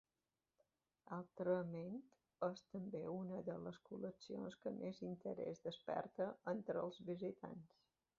Altrament, és també una de les col·leccions que més interès desperta entre els visitants.